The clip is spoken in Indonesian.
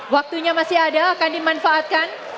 waktunya masih ada akan dimanfaatkan